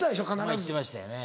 行ってましたよね。